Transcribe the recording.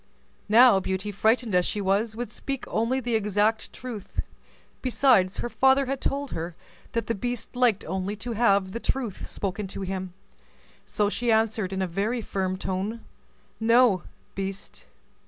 Now Beauty, frightened as she was, would speak only the exact truth; besides her father had told her that the beast liked only to have the truth spoken to him. So she answered, in a very firm tone, "No, beast."